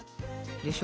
でしょ？